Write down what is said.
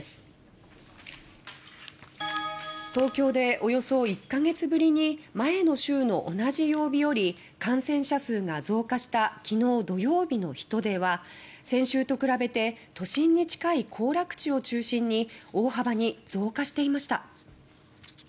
東京で、およそ１か月ぶりに前の週の同じ曜日より感染者数が増加したきのう土曜日の人出は先週と比べて都心に近い行楽地を中心に大幅に増加していました。